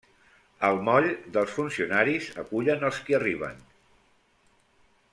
Al moll, dels funcionaris acullen els qui arriben.